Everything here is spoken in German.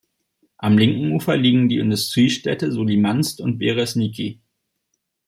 Am linken Ufer liegen die Industriestädte Solikamsk und Beresniki.